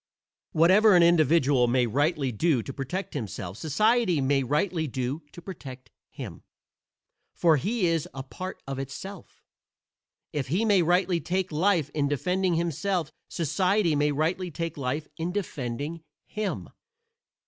Whatever an individual may rightly do to protect himself society may rightly do to protect him, for he is a part of itself. If he may rightly take life in defending himself society may rightly take life in defending him.